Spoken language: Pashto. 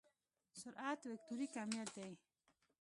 سرعت وکتوري کميت دی.